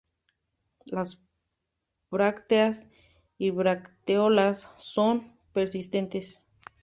Las brácteas y bracteolas son persistentes.